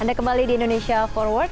anda kembali di indonesia forward